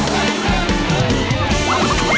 อบเตอร์มหาสนุกกลับมาสร้างความสนานครื้นเครงพร้อมกับแขกรับเชิง